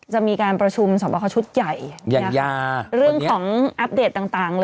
จะมีการประชุมสมบัชชุดใหญ่อย่างยา